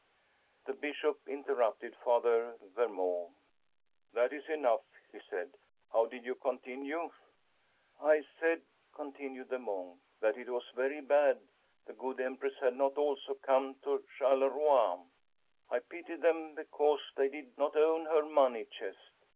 ' The Bishop interrupted Father Vemeau. * That is enough,' he said. ' How did you con tinue ?'* I said,' continued the monk, * that it was very bad the good Empress had not also come to Charleroi. I pitied them because they did not own her money chest.